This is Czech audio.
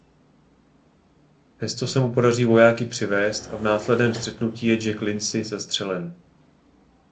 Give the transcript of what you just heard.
Přesto se mu podaří vojáky přivézt a v následném střetnutí je Jack Lindsay zastřelen.